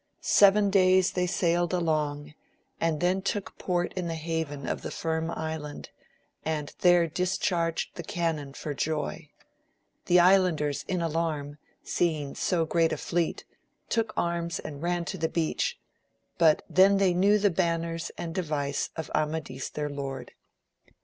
Seven days they sailed along, and then took port in the haven of the Firm Island, and there discharged the cannon for joy ; the Islanders in alarm, seeing so great a fleet, took arms and ran to the beach, but then they knew the banners and de vice of Amadis their lord.